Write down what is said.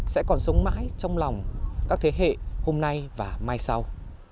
sẽ còn sống mãi trong lòng các thế hệ hôm nay và mai sau